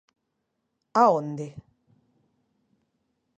"¿A onde...?"